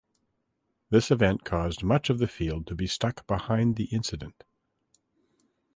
This event caused much of the field to be stuck behind the incident.